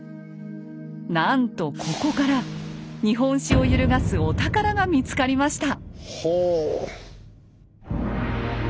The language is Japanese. なんとここから日本史を揺るがすお宝が見つかりました。